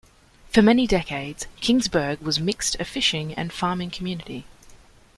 For many decades Kingsburg was mixed a fishing and farming community.